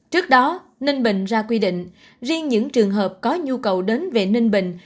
trước đó ninh bình ra quy định riêng những trường hợp có nhu cầu đến về ninh bình